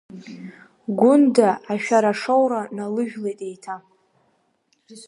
Гәында ашәара шоура налыжәлеит еиҭа.